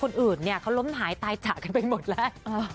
คนอื่นเนี่ยเขาล้มหายตายจากกันไปหมดแล้ว